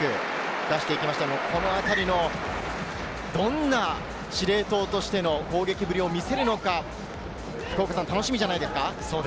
どんな司令塔としての攻撃ぶりを見せるのか楽しみじゃないですか？